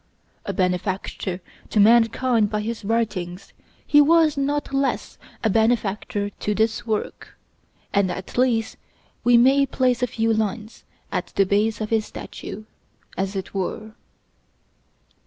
A benefactor to mankind by his writings, he was not less a benefactor to this work, and at least we may place a few lines at the base of his statue, as it were.